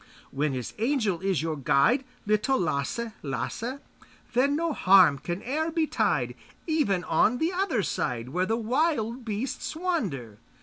When His angel is your guide, Little Lasse, Lasse, Then no harm can e'er betide, Even on the other side Where the wild beasts wander.